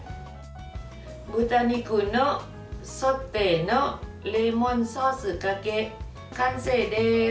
豚肉ソテーのレモンソースがけ完成です。